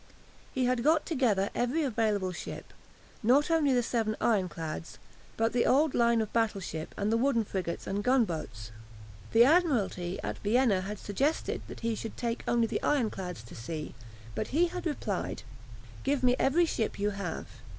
He had got together every available ship, not only the seven ironclads, but the old line of battle ship and the wooden frigates and gunboats. The Admiralty at Vienna had suggested that he should take only the ironclads to sea, but he had replied: "Give me every ship you have.